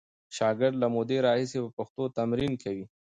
شاګرد له مودې راهیسې په پښتو تمرین کوي.